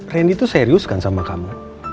randy itu serius kan sama kamu